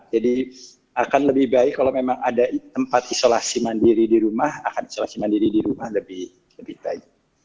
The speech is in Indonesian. jadi akan lebih baik kalau memang ada tempat isolasi mandiri di rumah akan isolasi mandiri di rumah lebih baik